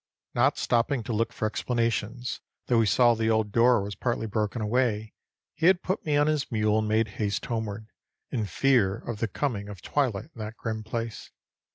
Not stopping to look for explanations, though he saw the old door was partly broken away, he had put me on his mule and made haste homeward, in fear of the coming of twilight in that grim place.